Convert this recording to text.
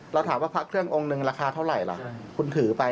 เราถามว่าพระเครื่ององค์หนึ่งราคาเท่าไหร่ล่ะคุณถือไป